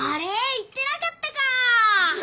言ってなかったか！